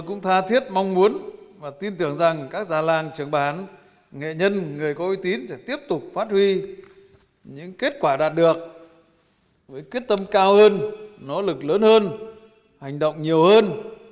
phát huy sẽ tiếp tục phát huy những kết quả đạt được với kết tâm cao hơn nỗ lực lớn hơn hành động nhiều hơn